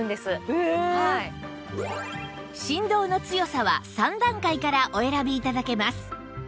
振動の強さは３段階からお選び頂けます